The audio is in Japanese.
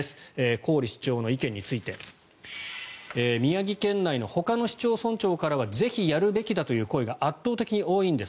郡市長の意見について宮城県内のほかの市町村長からはぜひ、やるべきだという声が圧倒的に多いんです